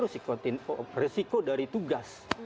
resiko dari tugas